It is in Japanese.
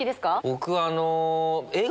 僕あの。